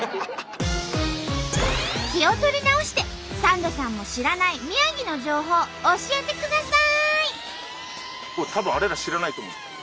気を取り直してサンドさんも知らない宮城の情報教えてください！